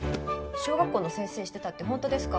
小学校の先生してたって本当ですか？